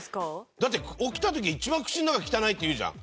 だって起きた時一番口の中汚いって言うじゃん。